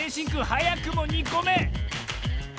はやくも２こめ！